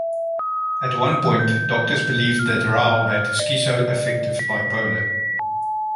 At one point, doctors believed that Rau had schizoaffective bipolar.